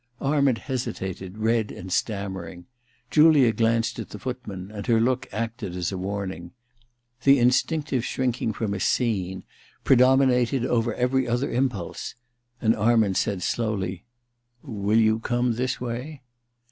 Arment hesitated, red and stammering. Julia glanced at the footman, and her look acted as a warning. The instinctive shrinking from a ' scene ' predominated over every other impulse, and Arment said slowly :* Will you come this way